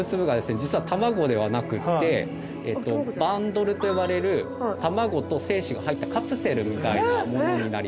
実は卵ではなくってバンドルと呼ばれる卵と精子が入ったカプセルみたいなものになります。